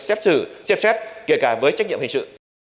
xếp xếp kể cả với trách nhiệm hình sự